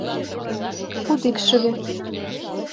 Куд икшыве.